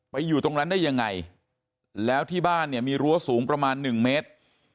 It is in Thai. อยู่ตรงนั้นได้ยังไงแล้วที่บ้านเนี่ยมีรั้วสูงประมาณหนึ่งเมตร